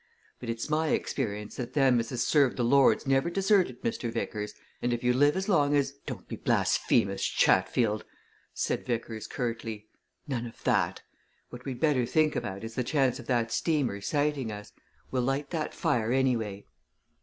But it's my experience 'ut them as has served the Lord's never deserted, Mr. Vickers, and if you live as long as " "Don't be blasphemous, Chatfield!" said Vickers, curtly. "None of that! What we'd better think about is the chance of that steamer sighting us. We'll light that fire, anyway!"